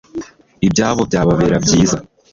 ibyabo byababera byiza